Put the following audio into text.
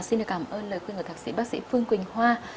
xin được cảm ơn lời khuyên của thạc sĩ bác sĩ phương quỳnh hoa